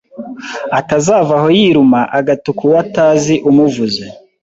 atazavaho yiruma agatuka uwo atazi umuvuze,